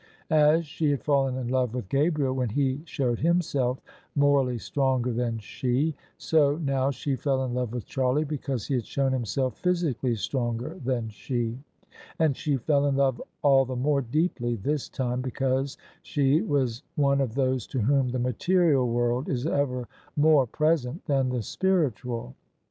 As she had fallen in love with Gabriel when he showed himself morally stronger than she, so now she fell in love with Charlie because he had shown himself physically stronger than she: and she fell in love all the more deeply this time, because she was one of those to whom the material world is ever more present than the spiritual.